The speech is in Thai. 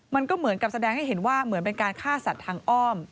มันก็เหมือนกับแสดงให้เห็นว่าเหมือนเป็นการฆ่าสัตว์ทางอ้อม